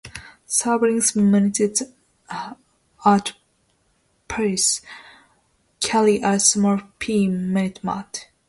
Sovereigns minted at Perth carry a small 'P' mintmark.